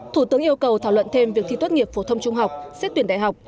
thủ tướng yêu cầu thảo luận thêm việc thi tuất nghiệp phổ thông trung học xếp tuyển đại học